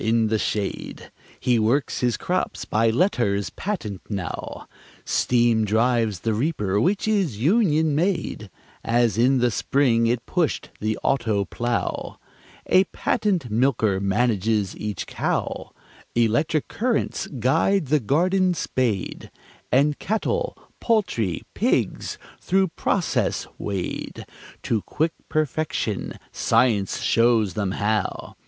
In the shade He works his crops by letters patent now: Steam drives the reaper (which is union made), As in the spring it pushed the auto plough; A patent milker manages each cow; Electric currents guide the garden spade, And cattle, poultry, pigs through "process" wade To quick perfection Science shows them how.